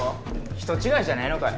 人違いじゃねえのかよ？